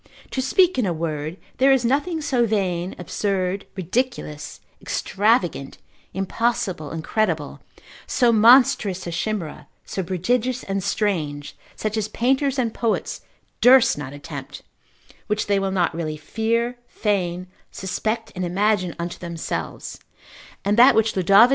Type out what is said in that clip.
To speak in a word, there is nothing so vain, absurd, ridiculous, extravagant, impossible, incredible, so monstrous a chimera, so prodigious and strange, such as painters and poets durst not attempt, which they will not really fear, feign, suspect and imagine unto themselves: and that which Lod.